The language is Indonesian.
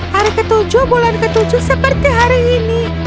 hari ketujuh bulan ketujuh seperti hari ini